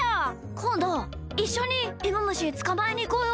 こんどいっしょにいもむしつかまえにいこうよ。